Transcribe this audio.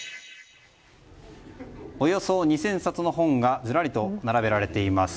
およそ２０００冊の本がずらりと並べられています。